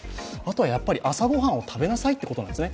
朝ご飯を食べなさいということなんですね。